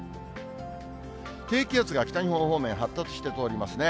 低気圧が北日本方面、発達して通りますね。